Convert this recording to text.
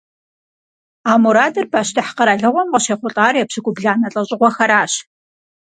А мурадыр пащтыхь къэралыгъуэм къыщехъулӀар епщыкӏубланэ лӀэщӀыгъуэхэращ.